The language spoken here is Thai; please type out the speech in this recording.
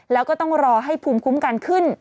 แล้วก็ต้องรอให้ภูมิคุ้มกันขึ้น